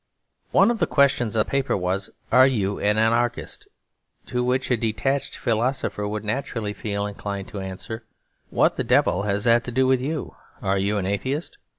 One of the questions on the paper was, 'Are you an anarchist?' To which a detached philosopher would naturally feel inclined to answer, 'What the devil has that to do with you? Are you an atheist?'